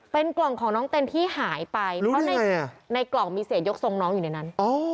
เป็นกล่องของน้องเต้นที่หายไปเพราะในกล่องมีเศษยกทรงน้องอยู่ในนั้น